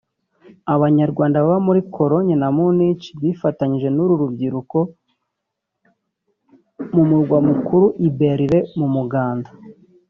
Abanyarwanda baba muri Cologne na Munich bifatanyije n’uru rubyiruko mu Murwa Mukuru i Berlin mu muganda